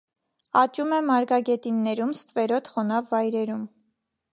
Աճում է մարգագետիններում, ստվերոտ, խոնավ վայրերում։